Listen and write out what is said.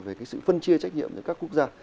về sự phân chia trách nhiệm của các quốc gia